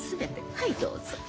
はいどうぞ。